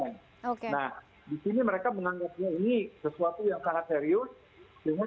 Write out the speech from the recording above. nah di sini mereka menganggapnya ini sesuatu yang sangat serius